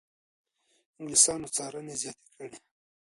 انګلیسانو څارنې زیاتې کړې.